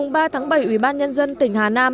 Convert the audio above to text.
ngày ba bảy ubnd tp hcm